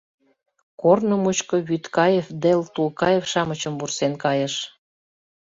Корно мучко Вӱдкаев дел Тулкаев-шамычым вурсен кайыш...